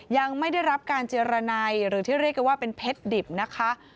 ยังไม่ได้รับการเจรนัยหรือที่เรียกกันว่าเป็นเพชรดิบนะคะ